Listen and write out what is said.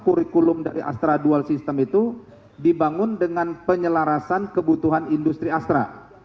kurikulum dari astra dual system itu dibangun dengan penyelarasan kebutuhan industri astra